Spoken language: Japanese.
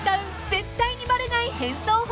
絶対にバレない変装法］